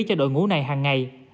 của đội ngũ này hàng ngày